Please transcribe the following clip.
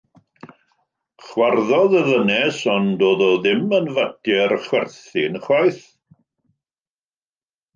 Chwarddodd y ddynes, ond doedd o ddim yn fater chwerthin ychwaith.